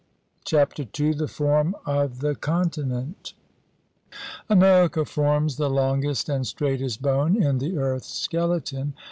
CHAPTER II THE FORM OF THE CONTINENT America forms the longest and straightest bone in the earth's skeleton.